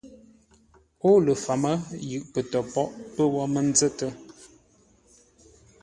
Ó ləfəmə́ yʉʼ pətə́ póghʼ pə́ wó mə nzə́tə́.